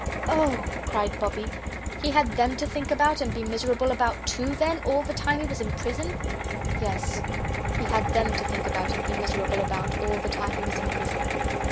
"Oh," cried Bobbie, "he had THEM to think about and be miserable about TOO, then, all the time he was in prison?" "Yes, he had them to think about and be miserable about all the time he was in prison.